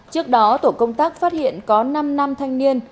trước đó tổ công tác phát hiện có năm năm thanh niên